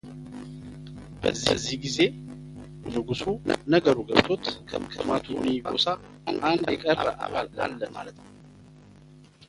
በዚህ ጊዜ ንጉሱ ነገሩ ገብቶት ከማቶኒ ጎሳ አንድ የቀረ አባል አለ ማለት ነው፡፡